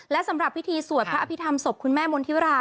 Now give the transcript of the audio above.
และสำหรับพิธีสวดพระอภิษฐรรมศพคุณแม่มณฑิรา